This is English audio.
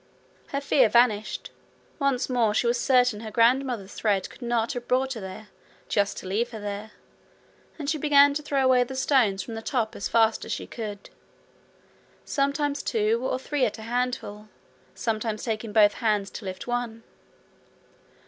Her fear vanished; once more she was certain her grandmother's thread could not have brought her there just to leave her there; and she began to throw away the stones from the top as fast as she could, sometimes two or three at a handful, sometimes taking both hands to lift one.